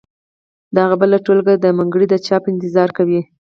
دغه بله ټولګه دمګړۍ د چاپ انتظار کوي.